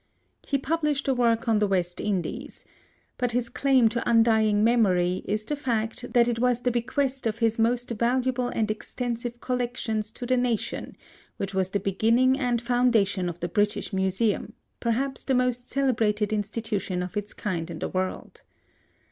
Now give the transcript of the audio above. He published a work on the West Indies, but his claim to undying memory is the fact that it was the bequest of his most valuable and extensive collections to the nation which was the beginning and foundation of the British Museum, perhaps the most celebrated institution of its kind in the world.